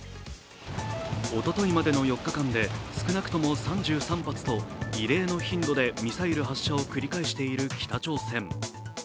おとといまでの４日間で少なくとも３３発と異例の頻度でミサイル発射を繰り返している北朝鮮。